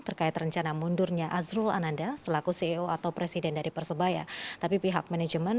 terkait rencana mundurnya azrul ananda selaku ceo atau presiden dari persebaya tapi pihak manajemen